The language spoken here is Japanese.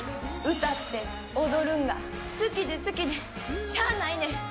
歌って踊るんが好きで好きでしゃあないねん。